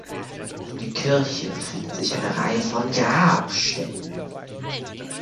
Um die Kirche befindet sich eine Reihe von Grabstätten.